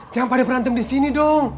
jangan pada berantem disini dong